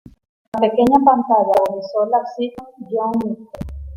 En la pequeña pantalla protagonizó la sitcom "Young Mr.